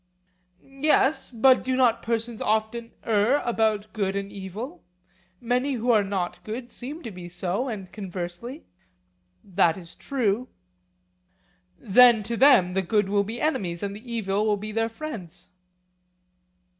Yes, but do not persons often err about good and evil: many who are not good seem to be so, and conversely? That is true. Then to them the good will be enemies and the evil will be their friends?